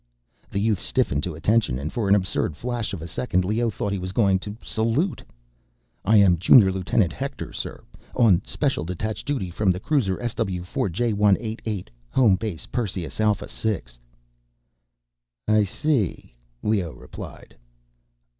The youth stiffened to attention and for an absurd flash of a second, Leoh thought he was going to salute. "I am Junior Lieutenant Hector, sir; on special detached duty from the cruiser SW4 J188, home base Perseus Alpha VI." "I see," Leoh replied.